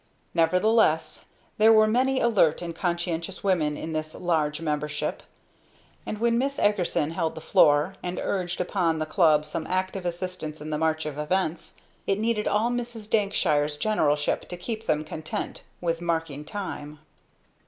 Nevertheless there were many alert and conscientious women in this large membership, and when Miss Eagerson held the floor, and urged upon the club some active assistance in the march of events, it needed all Mrs. Dankshire's generalship to keep them content with marking time.